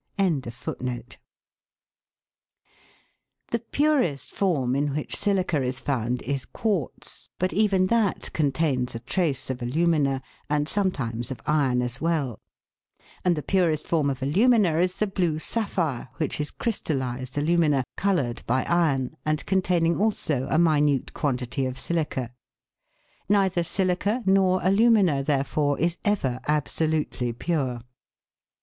* The purest form in which silica is found is quartz, but even that contains a trace of alumina, and sometimes of iron as well ; and the purest form of alumina is the blue sapphire, which is crystallised alumina, coloured by iron, and containing also a minute quantity of silica. Neither silica nor alumina, therefore, is ever absolutely pure.